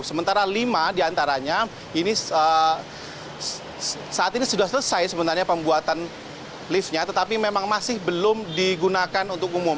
sementara lima diantaranya ini saat ini sudah selesai sebenarnya pembuatan liftnya tetapi memang masih belum digunakan untuk umum